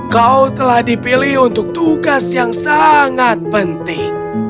kau telah dipilih untuk tugas yang sangat penting